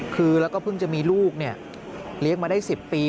คือแล้วก็เพิ่งจะมีลูกเลี้ยงมาได้๑๐ปี